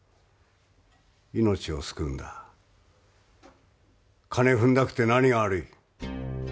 命を救うんだ金ふんだくって何が悪い？